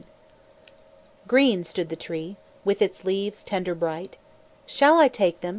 THE TREE Green stood the Tree, With its leaves tender bright. "Shall I take them?"